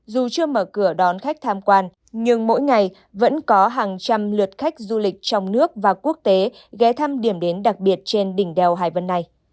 dù chưa mở cửa đón khách tham quan nhưng mỗi ngày vẫn có hàng trăm lượt khách du lịch trong nước và quốc tế ghé thăm điểm đến đặc biệt trên đỉnh đèo hải vân này